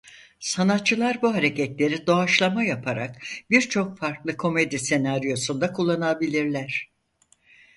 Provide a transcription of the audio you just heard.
Sanatçılar bu hareketleri doğaçlama yaparak birçok farklı komedi senaryosunda kullanabilirler.